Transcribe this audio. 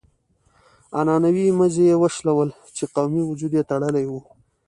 عنعنوي مزي يې وشلول چې قومي وجود يې تړلی و.